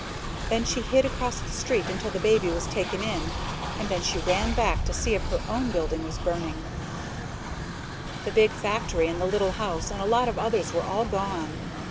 Then she hid across the street until the baby was taken in, and then she ran back to see if her own house was burning. The big factory and the little house and a lot of others were all gone.